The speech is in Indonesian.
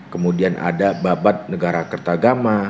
kemudian ada babat negara kertagama